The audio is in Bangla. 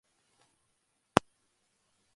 ওকে, মাস্টার।